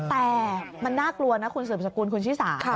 แต่มันน่ากลัวนะคุณศูนย์ปิศาคุณชิสา